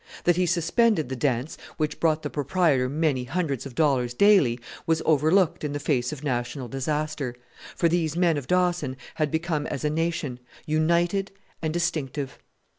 That he suspended the dance, which brought the proprietor many hundreds of dollars daily, was overlooked in the face of national disaster; for these men of Dawson had become as a nation united and distinctive.